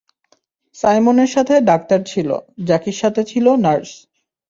সাইমনের সাথে ডাক্তার ছিল, জ্যাকির সাথে ছিল নার্স।